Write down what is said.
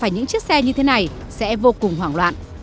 những chiếc xe như thế này sẽ vô cùng hoảng loạn